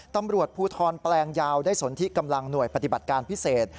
ตำรวจภูทรแปลงยาวได้สนทิกำลังหน่วยปฏิบัติการพิเศษ